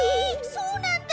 そうなんだ！